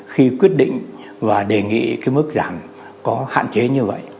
khi quyết định và đề nghị cái mức giảm có hạn chế như vậy